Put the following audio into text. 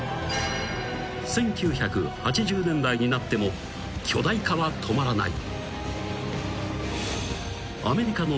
［１９８０年代になっても巨大化は止まらない］